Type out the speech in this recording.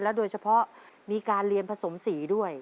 โดยเฉพาะมีการเรียนผสมสีด้วย